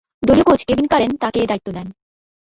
দলীয় coach Kevin Curran তাকে এ দায়িত্ব দেন।